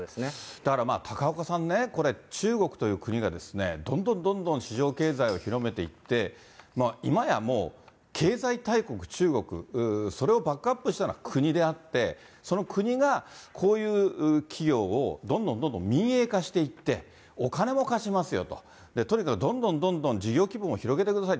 だからまあ、高岡さんね、これ、中国という国はですね、どんどんどんどん市場経済を広めていって、今やもう、経済大国、中国、それをバックアップしたのは、国であって、その国がこういう企業をどんどんどんどん民営化していって、お金も貸しますよと、とにかくどんどんどんどん事業規模も広げてください。